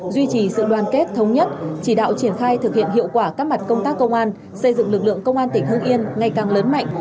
duy trì sự đoàn kết thống nhất chỉ đạo triển khai thực hiện hiệu quả các mặt công tác công an xây dựng lực lượng công an tỉnh hương yên ngày càng lớn mạnh